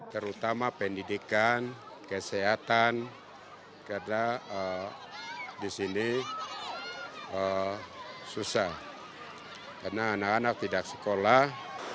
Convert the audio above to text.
terutama pendidikan kesehatan karena di sini susah karena anak anak tidak sekolah